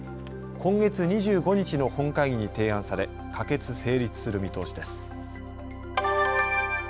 今月２５日の本会議に提案され可決・成立する見通しです。